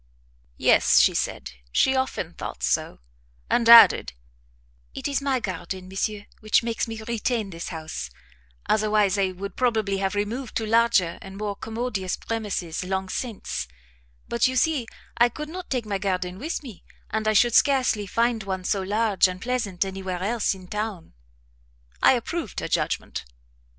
"Yes," she said, "she often thought so;" and added, "it is my garden, monsieur, which makes me retain this house, otherwise I should probably have removed to larger and more commodious premises long since; but you see I could not take my garden with me, and I should scarcely find one so large and pleasant anywhere else in town." I approved her judgment.